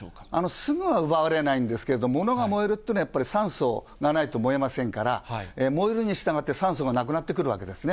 すぐは奪われないんですけども、物が燃えるというのは、やっぱり酸素がないと燃えませんから、燃えるにしたがって、酸素がなくなってくるわけですね。